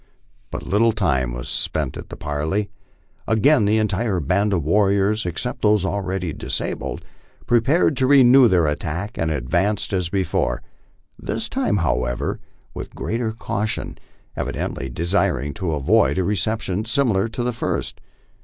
But little time was spent at the parley. Again the entire band of warriors, except those already disabled, prepared to renew the attack, and advanced as before this time, however, with greater caution, evidently desiring to avoid a reception similar to the first.